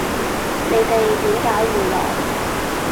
你哋點解會來